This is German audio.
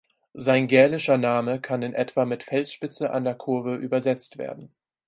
Sein gälischer Name kann in etwa mit "Felsspitze an der Kurve" übersetzt werden.